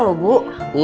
untung buya mau buat ini